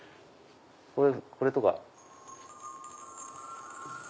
これとか。